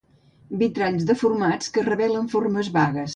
Vitralls deformats que revelen formes vagues.